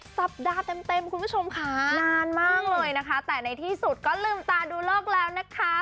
สัปดาห์เต็มคุณผู้ชมค่ะนานมากเลยนะคะแต่ในที่สุดก็ลืมตาดูเลิกแล้วนะคะ